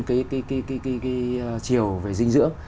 cái chiều về dinh dưỡng